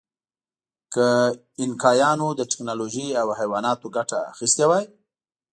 که اینکایانو له ټکنالوژۍ او حیواناتو ګټه اخیستې وای.